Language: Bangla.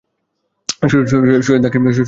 শরীরে দাগ কী থেকে যাবে?